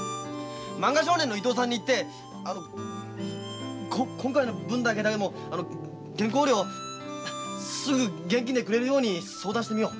「漫画少年」の伊藤さんに言って今回の分だけでも原稿料すぐ現金でくれるように相談してみよう。